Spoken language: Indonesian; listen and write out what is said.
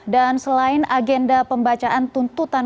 dan selain agenda pembacaan tuntutan